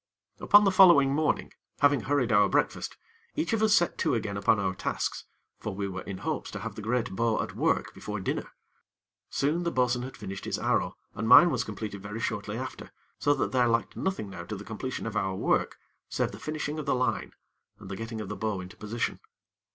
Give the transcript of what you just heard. Upon the following morning, having hurried our breakfast, each of us set to again upon our tasks; for we were in hopes to have the great bow at work before dinner. Soon, the bo'sun had finished his arrow, and mine was completed very shortly after, so that there lacked nothing now to the completion of our work, save the finishing of the line, and the getting of the bow into position.